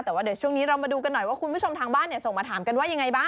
แต่ว่าเดี๋ยวช่วงนี้เรามาดูกันหน่อยว่าคุณผู้ชมทางบ้านส่งมาถามกันว่ายังไงบ้าง